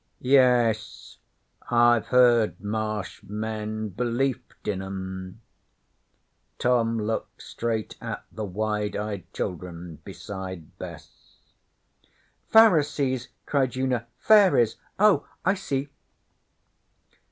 'Yes. I've heard Marsh men belieft in 'em.' Tom looked straight at the wide eyed children beside Bess. 'Pharisees,' cried Una. 'Fairies? Oh, I see!'